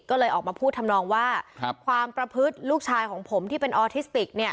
ก็เลยออกมาพูดทำนองว่าความประพฤติลูกชายของผมที่เป็นออทิสติก